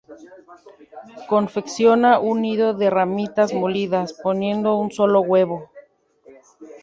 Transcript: Confecciona un nido de ramitas molidas, poniendo un solo huevo.